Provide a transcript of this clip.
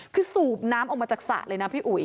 คือสูบน้ำออกมาจากสระเลยนะพี่อุ๋ย